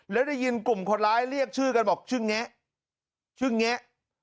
แล้วได้ยินกลุ่มคนร้ายเรียกชื่อกันบอกชื่อแงะชื่อแงะ